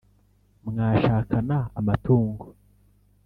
mwashakana amatungo,